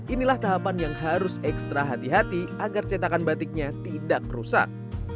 inilah tahapan yang harus ekstra hati hati agar cetakan batiknya tidak rusak